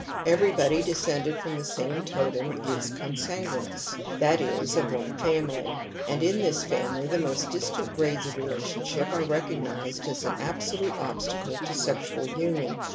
Everybody descended from thq^ame totem is consanguin eous ; that is, of one family ; and in this family / the most distant grades of relationjship are > recognized as an absolute obstacle to sexual union.